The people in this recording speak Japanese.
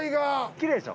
きれいでしょ。